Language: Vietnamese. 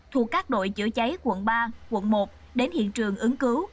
thuộc các đội chữa cháy quận ba quận một đến hiện trường ứng cứu